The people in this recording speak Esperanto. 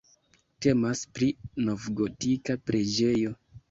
Temas pri novgotika preĝejo.